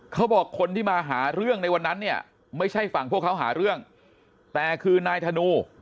เขาบอกคนที่มาหาเรื่องในวันนั้นเนี่ยไม่ใช่ฝั่งพวกเขาหาเรื่องแต่คือนายธนู